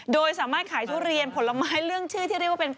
โดยสามารถขายทุเรียนผลไม้เรื่องชื่อที่เรียกว่าเป็น